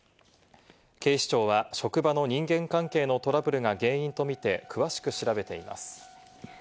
警視庁は職場の人間関係のトラブルが原因とみて詳しく調べています。